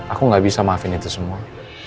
aku gak bisa maafin itu semua